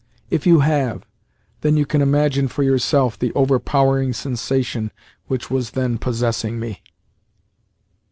If you have, then you can imagine for yourself the overpowering sensation which was then possessing me.